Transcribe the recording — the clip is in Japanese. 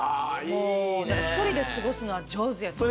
もう１人で過ごすのは上手やと思う。